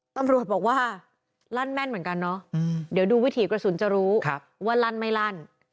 ตำรวจบอกว่าลั่นแม่นเหมือนกันเนาะเดี๋ยวดูวิถีกระสุนจะรู้ว่าลั่นไม่ลั่น